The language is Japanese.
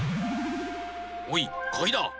おいかぎだ！